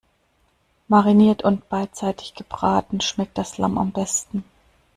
Mariniert und beidseitig gebraten schmeckt das Lamm am besten.